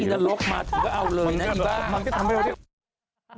อินโลกมาถึงก็เอาเลยนะอีกบ้าง